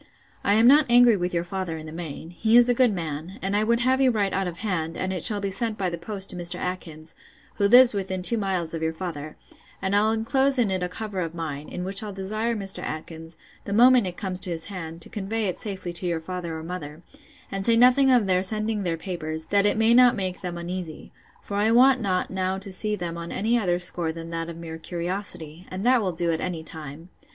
I am not angry with your father in the main; he is a good man; and I would have you write out of hand, and it shall be sent by the post to Mr. Atkins, who lives within two miles of your father, and I'll enclose it in a cover of mine, in which I'll desire Mr. Atkins, the moment it comes to his hand, to convey it safely to your father or mother; and say nothing of their sending their papers, that it may not make them uneasy; for I want not now to see them on any other score than that of mere curiosity; and that will do at any time.